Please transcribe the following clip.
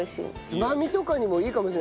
つまみとかにもいいかもしれないですね